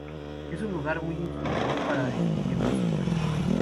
Es un lugar muy inspirador para escribir música.